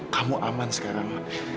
kamu aman sekarang